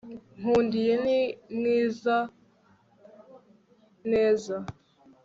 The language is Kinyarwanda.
nkundiye ni mwiza. neza